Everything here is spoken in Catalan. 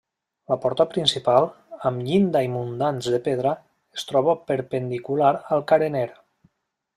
La porta principal, amb llinda i muntants de pedra, es troba perpendicular al carener.